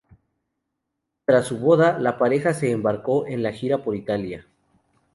Tras su boda, la pareja se embarcó en una gira por Italia.